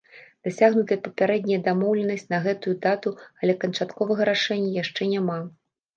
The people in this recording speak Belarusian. Дасягнутая папярэдняя дамоўленасць на гэтую дату, але канчатковага рашэння яшчэ няма.